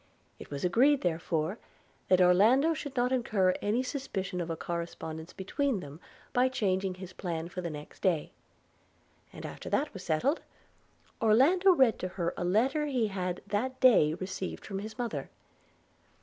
It was agreed, therefore, that Orlando should not incur any suspicion of a correspondence between them, by changing his plan for the next day; and after that was settled, Orlando read to her a letter he had that day received from his mother.